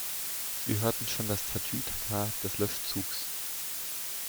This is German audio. Wir hörten schon das Tatütata des Löschzugs.